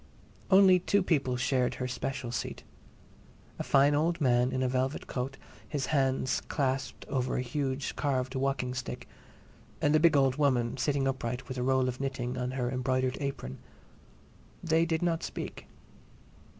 Only two people shared her "special" seat: a fine old man in a velvet coat, his hands clasped over a huge carved walking stick, and a big old woman, sitting upright, with a roll of knitting on her embroidered apron. They did not speak.